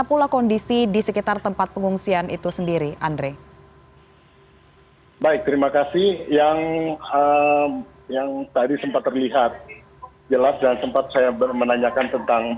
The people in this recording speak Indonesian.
untuk para pengusaha